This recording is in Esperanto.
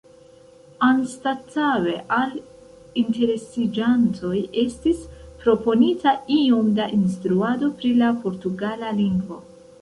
Anstataŭe al interesiĝantoj estis proponita iom da instruado pri la portugala lingvo.